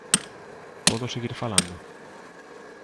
¿Podo seguir falando?